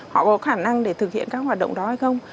họ có khả năng để thực hiện các hoạt động đó hay không